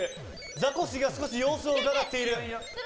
ザコシが少し様子をうかがっている。